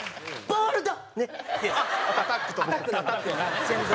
ボールド！